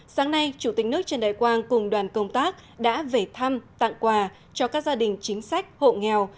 sáng nay chủ tịch nước trần đại quang cùng đoàn công tác đã về thăm tặng quà cho các gia đình chính sách hộ nghèo